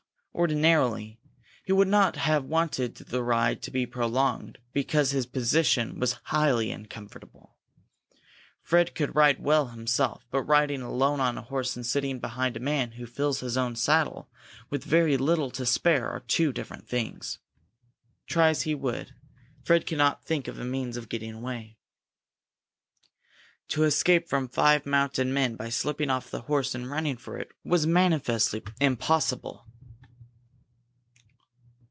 Ordinarily, he would not have wanted the ride to be prolonged because his position was highly uncomfortable. Fred could ride well himself, but riding alone on a horse and sitting behind a man who fills his own saddle with very little to spare are two different things. Try as he would, Fred could not think of a means of getting away. To escape from five mounted men by slipping off the horse and running for it was manifestly impossible.